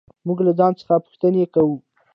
موږ له ځان څخه پوښتنې کوو.